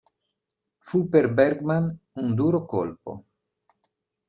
Fu per Bergman un duro colpo.